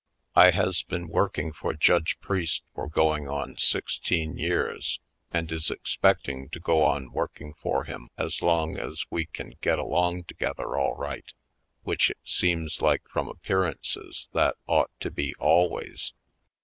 I has been working for Judge Priest for going on sixteen years and is expecting to go on working for him as long as we can get along together all right, which it seems like from appearances that ought to be always.